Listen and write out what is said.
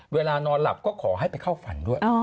เวลานอนหลับก็ขอให้ไปเข้าฝันด้วย